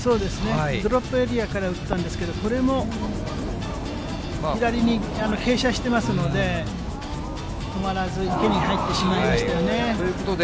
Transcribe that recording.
ドロップエリアから打ったんですけれども、これも左に傾斜してますので、止まらず池に入ってしまいましたよね。ということで。